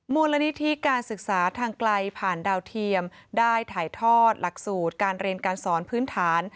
มูลนิธิการศึกษาทางไกลผ่านดาวเทียมได้ถ่ายทอดหลักสูตรการเรียนการสอนพื้นฐาน